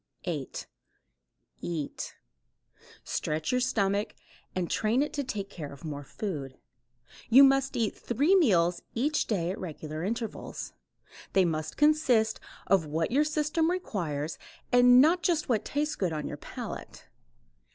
8. EAT. Stretch your stomach and train it to take care of more food. You must eat three meals each day at regular intervals. They must consist of what your system requires and not just what tastes good on your palate.